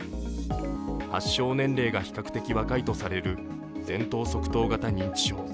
発症年齢が比較的若いとされる前頭側頭型認知症。